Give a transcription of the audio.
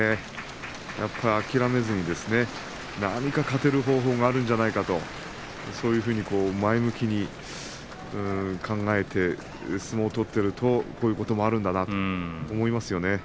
諦めずに、何か勝てる方法があるんじゃないかと前向きに考えて相撲を取っているとこういうこともあるんだなと思いますよね。